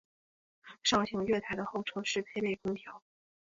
上行月台的候车室配备空调。